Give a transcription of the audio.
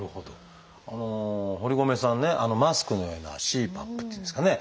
堀米さんねマスクのようなＣＰＡＰっていうんですかね